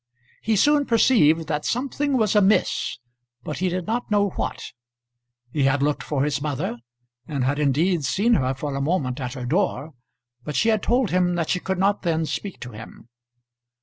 He soon perceived that something was amiss, but he did not know what. He had looked for his mother, and had indeed seen her for a moment at her door; but she had told him that she could not then speak to him.